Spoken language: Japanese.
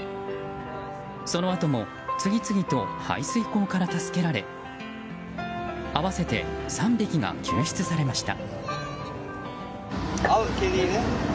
そのあとも次々と排水溝から助けられ合わせて３匹が救出されました。